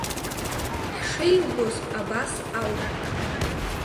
Ҳшеилгоз абас ауп.